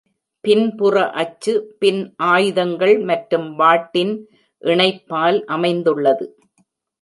பின்புற அச்சு பின் ஆயுதங்கள் மற்றும் வாட்டின் இணைப்பால் அமைந்துள்ளது.